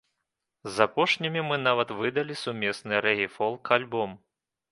З апошнімі мы нават выдалі сумесны рэгі-фолк-альбом.